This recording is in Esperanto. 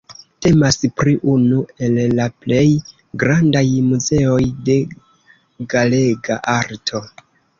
Temas pri unu el la plej grandaj muzeoj de galega arto.